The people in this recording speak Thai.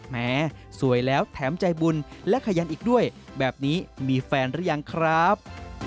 แม้สวยแล้วแถมใจบุญและขยันอีกด้วยแบบนี้มีแฟนหรือยังครับ